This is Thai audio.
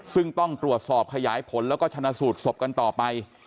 ซึ่งต้องตรวจสอบขยายผลแล้วก็ชนะสูตรศพกันต่อไป